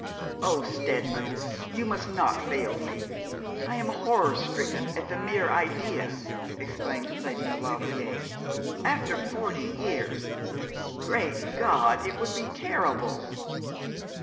'Oh, Steadman, you must not fail me! I am horror stricken at the mere idea,' exclaimed Lady Maulevrier. 'After forty years great God! it would be terrible.